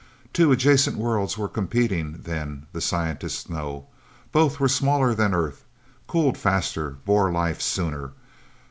Two adjacent worlds were competing, then, the scientists know. Both were smaller than the Earth, cooled faster, bore life sooner.